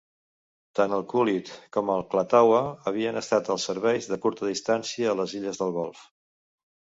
Tant el "Kulleet" com el "Klatawa" havien estat els serveis de curta distància a les Illes del Golf.